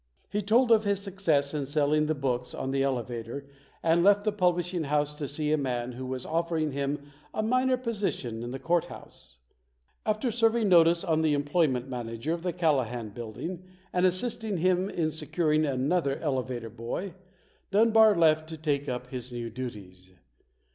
He told of his success in selling the books on the elevator and left the publishing house to see a man who was offering him a minor position in the court house. After serving notice on the employment manager of the Callahan Building and assisting him in securing another elevator boy, Dunbar left to take up his new duties.